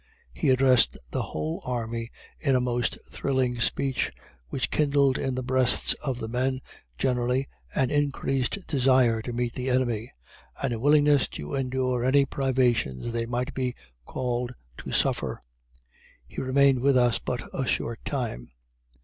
He addressed the whole army in a most thrilling speech, which kindled in the breasts of the men, generally, an increased desire to meet the enemy, and a willingness to endure any privations they might be called to suffer. He remained with us but a short time.